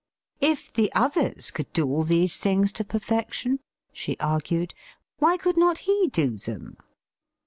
"If the others could do all these things to perfection," she argued, "why could not he do them?"